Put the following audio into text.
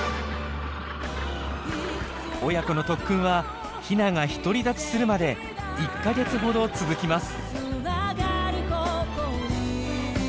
親子の特訓はヒナが独り立ちするまで１か月ほど続きます。